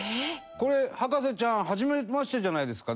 これ博士ちゃんはじめましてじゃないですかね？